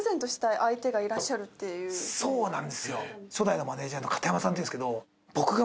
そうなんですよ。